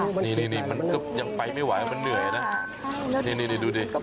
นี่ยังไปไม่ไหวเพราะมันเหนื่อยอะนะนี่โด้ดิ